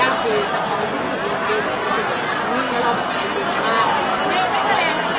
เราก็อยู่บนส่วนเหตุและตัว